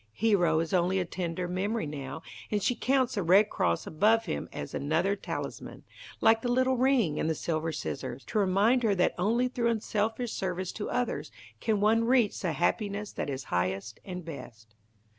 Hero is only a tender memory now, and she counts the Red Cross above him as another talisman, like the little ring and the silver scissors, to remind her that only through unselfish service to others can one reach the happiness that is highest and best.